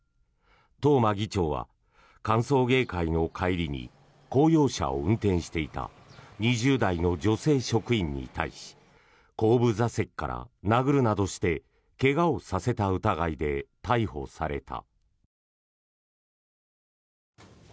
東間議長は歓送迎会の帰りに公用車を運転していた２０代の女性職員に対し後部座席から殴るなどして怪我をさせた疑いで逮捕された。